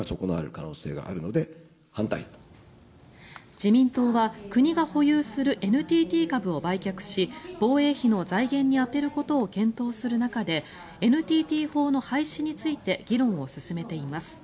自民党は国が保有するＮＴＴ株を売却し防衛費の財源に充てることを検討する中でＮＴＴ法の廃止について議論を進めています。